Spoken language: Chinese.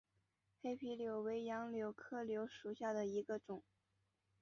黑皮柳为杨柳科柳属下的一个种。